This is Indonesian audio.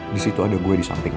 disitu ada gue disamping lo